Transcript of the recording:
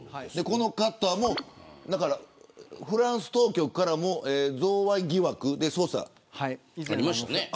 この方もフランス当局からも贈賄疑惑で捜査ありましたよね。